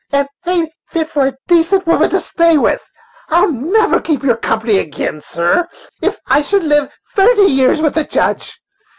and ain't fit for a decent woman to stay with. I'll never, keep your company agin, sir, if I should live thirty years with the Judge.